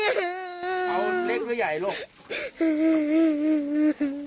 เอาเล็กหรือใหญ่ลูก